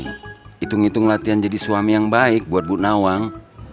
hitung hitung latihan jadi suami yang baik buat bu nawang